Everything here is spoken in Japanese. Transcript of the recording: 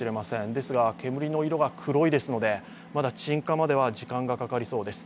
ですが煙の色が黒いですので、まだ鎮火までは時間がかかりそうです。